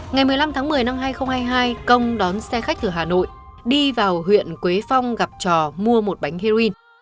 ngày một mươi năm tháng một mươi năm hai nghìn hai mươi hai công đón xe khách từ hà nội đi vào huyện quế phong gặp trò mua một bánh heroin